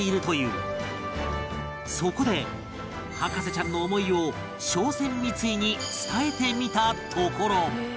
そこで博士ちゃんの思いを商船三井に伝えてみたところ